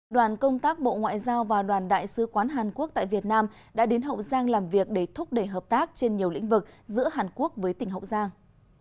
đoàn công tác bộ ngoại giao và đoàn đại sứ quán hàn quốc tại việt nam đã đến hậu giang làm việc để thúc đẩy hợp tác trên nhiều lĩnh vực giữa hàn quốc với tỉnh hậu giang